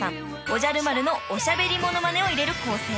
おじゃる丸のおしゃべりモノマネを入れる構成］